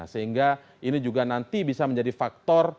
sehingga ini juga nanti bisa menjadi faktor